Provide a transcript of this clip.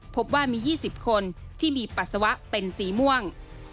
พบว่ามี๒๐คนที่มีปัสสาวะเป็นสีม่วง